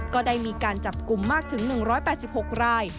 ก็ได้มีการจับกลุ่มมากถึง๑๘๖ราย